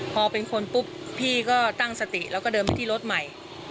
พอเป็นคนปุ๊บพี่ก็ตั้งสติแล้วก็เดินไปที่รถใหม่